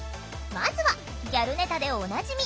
まずはギャルネタでおなじみ